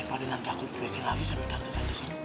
eh pada nanti aku cuekin lagi sama tante